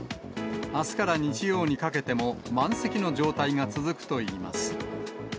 あすから日曜にかけても満席の状態が続くといいます。